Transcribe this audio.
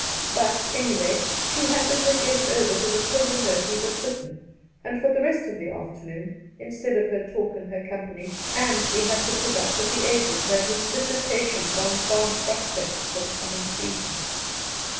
But, any way, she handed hm guest over to the tender mercies of Whitton, and •for the rest of the afternoon, instead of her talk and Tier company, Ansley had to put up with the agent and his dissertations on farm prospects for the coming season.